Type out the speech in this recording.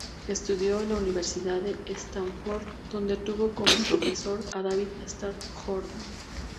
Estudió en la Universidad de Stanford, donde tuvo como profesor a David Starr Jordan.